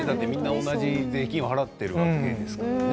同じ税金を払っているわけですからね。